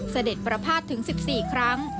เสด็จประพาทถึง๑๔ครั้ง